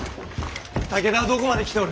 武田はどこまで来ておる。